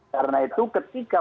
karena itu ketika